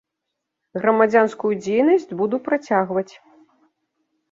Грамадзянскую дзейнасць буду працягваць.